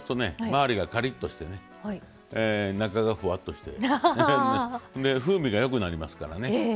周りがカリッとしてね中がふわっとしてで風味がよくなりますからね。